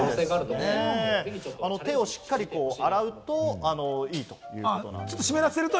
手をしっかり洗うといいということなんです。